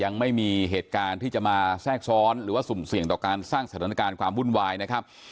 ยังไม่มีเหตุการณ์ที่จะมาแทรกซ้อนหรือว่าสุ่มเสี่ยงต่อการสร้างสถานการณ์ความวุ่นวายนะครับ